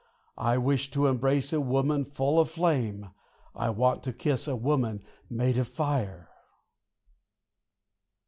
I wish to embrace a woman full of flame, I want to kiss a woman made of fire.